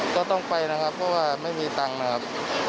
ก็ต้องไปครับไม่มีตังค์นะครับ